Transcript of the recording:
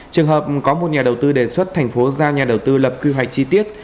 trường hợp có một nhà đầu tư đề xuất thành phố giao nhà đầu tư lập quy hoạch chi tiết